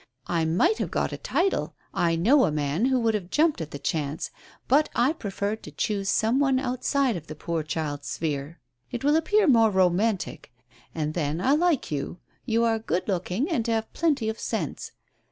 I might have got a title; I know a man who would have jumped at the chance. But I preferred to choose some one out side of the poor child's sphere. It will appear more romantic. And then I like you. You are good look ing, and have plenty of sense.